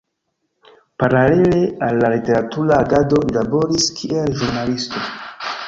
Paralele al la literatura agado li laboris kiel ĵurnalisto.